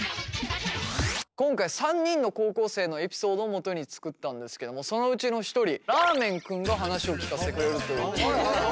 今回３人の高校生のエピソードをもとに作ったんですけどもそのうちの一人らーめん君が話を聞かせてくれるということで。